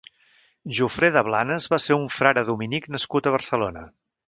Jofré de Blanes va ser un frare dominic nascut a Barcelona.